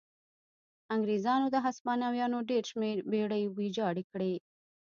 انګرېزانو د هسپانویانو ډېر شمېر بېړۍ ویجاړې کړې.